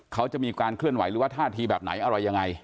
เขาจะมีการเคลื่อนไหวหรือว่าท่าทีแบบไหนอะไรยังไง